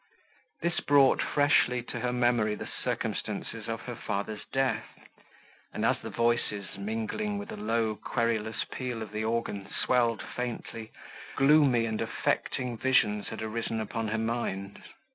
This brought freshly to her memory the circumstances of her father's death; and, as the voices, mingling with a low querulous peal of the organ, swelled faintly, gloomy and affecting visions had arisen upon her mind.